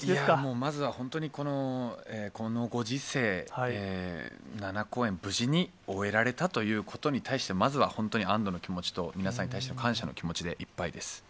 まずは本当にこのご時世、７公演、無事に終えられたということに対して、まずは本当に安どの気持ちと、皆さんに対しての感謝の気持ちでいっぱいです。